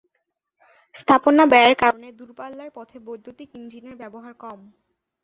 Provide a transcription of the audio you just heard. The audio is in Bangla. স্থাপনা ব্যয়ের কারণে দূরপাল্লার পথে বৈদ্যুতিক ইঞ্জিনের ব্যবহার কম।